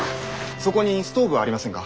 そこにストーブはありませんか？